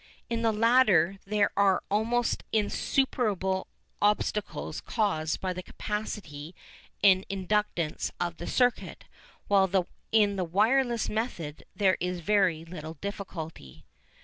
In the latter there are almost insuperable obstacles caused by the capacity and inductance of the circuit, while in the wireless method there is very little difficulty.